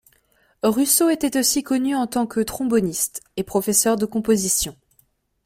Russo était aussi connu en tant que tromboniste et professeur de composition.